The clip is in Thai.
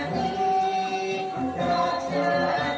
เพื่อความชุมภูมิของชาวไทยรักไทย